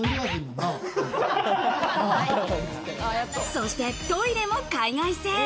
そしてトイレも海外製。